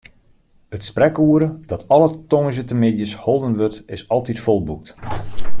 It sprekoere, dat alle tongersdeitemiddeis holden wurdt, is altyd folboekt.